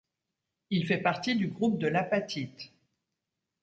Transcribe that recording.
Il fait partie du groupe de l’apatite.